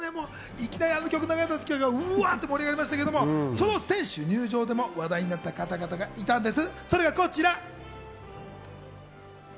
いきなりあの曲流れて来た時は、わっと盛り上がりましたけど、その選手入場でも話題になった方々がいたんです。